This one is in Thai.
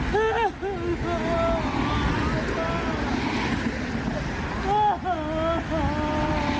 พ่อหนูจริง